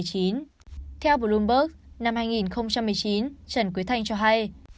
theo beromberg năm hai nghìn một mươi chín trần quý thanh cho hay